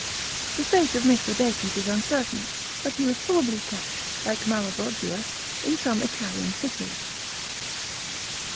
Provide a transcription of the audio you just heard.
" The fate of Mitbradates is uncertain, but he was probably kept, like Maroboduus, in some Italian city.